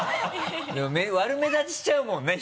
悪目立ちしちゃうもんね